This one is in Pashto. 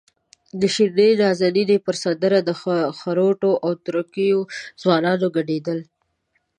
د شیرینې نازنینې پر سندره د خروټو او تره کیو ځوانان ګډېدل.